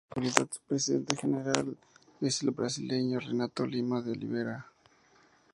En la actualidad, su Presidente General es el brasileño Renato Lima de Oliveira.